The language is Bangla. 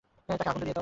তাকে আগুন ধরিয়ে দাও।